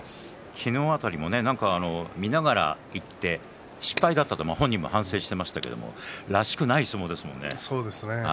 昨日辺りも見ながら行って失敗だったと本人も反省してましたけれどもらしくない相撲ですものね。